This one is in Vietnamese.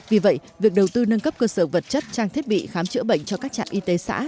vì vậy việc đầu tư nâng cấp cơ sở vật chất trang thiết bị khám chữa bệnh cho các trạm y tế xã